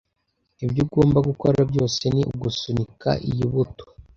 Ibyo ugomba gukora byose ni ugusunika iyi buto.